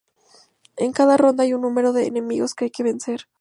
En cada ronda hay un número de enemigos que hay que vencer.